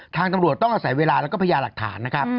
ตำรวจต้องอาศัยเวลาแล้วก็พญาหลักฐานนะครับ